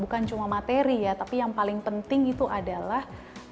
bukan cuma materi ya tapi yang paling penting itu adalah